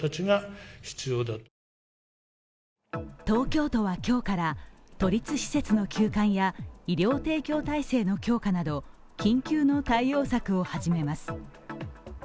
東京都は今日から都立施設の休館や医療提供体制の強化など、緊急の対応策を始めます。